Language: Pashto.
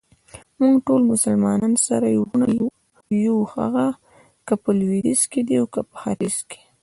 موږټول مسلمانان سره وروڼه يو ،که هغه په لويديځ کې دي اوکه په ختیځ.